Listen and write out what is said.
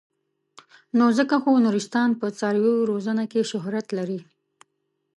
ځکه خو نورستان په څارویو روزنه کې شهرت لري.